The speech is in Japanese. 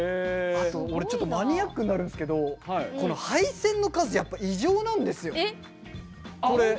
あと俺ちょっとマニアックになるんですけどこの配線の数異常なんですよ。